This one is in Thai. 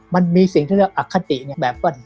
มันมีสิ่งที่เรียกอคทะติแบบว่า